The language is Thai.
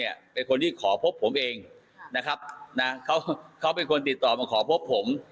เป็นคนที่ขอพบผมเองนะครับนะเขาเขาเป็นคนติดต่อมาขอพบผม